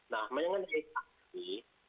nah memang kan dari paksi